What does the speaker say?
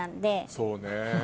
そうね。